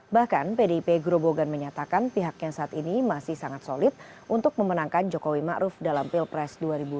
bahkan pdip grobogan menyatakan pihaknya saat ini masih sangat solid untuk memenangkan jokowi ma'ruf dalam pilpres dua ribu sembilan belas